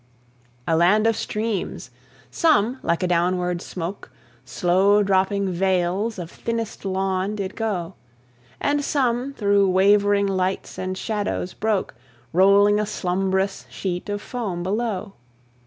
A land of streams! some, like a downward smoke, Slow dropping veils of thinnest lawn, did go; And some thro' wavering lights and shadows broke, Rolling a slumbrous sheet of foam below.